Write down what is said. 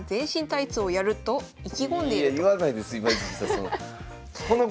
いや言わないです